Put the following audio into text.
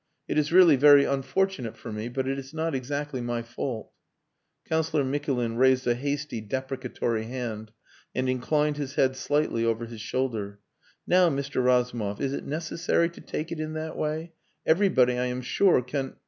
It is really very unfortunate for me, but it is not exactly my fault." Councillor Mikulin raised a hasty deprecatory hand and inclined his head slightly over his shoulder. "Now, Mr. Razumov is it necessary to take it in that way? Everybody I am sure can...."